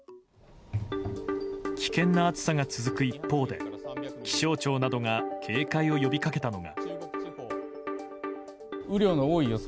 危険な暑さが続く一方で気象庁などが警戒を呼びかけたのが。